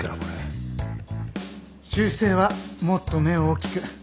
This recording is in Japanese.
修整はもっと目を大きく。